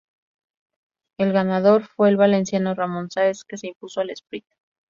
El ganador fue el valenciano Ramón Sáez que se impuso al esprint.